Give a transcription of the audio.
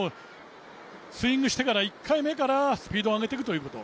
スイングしてから１回目からスピードを上げていくということ。